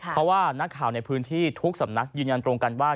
เพราะว่านักข่าวในพื้นที่ทุกสำนักยืนยันตรงกันว่า